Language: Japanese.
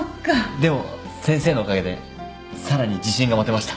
でも先生のおかげでさらに自信が持てました。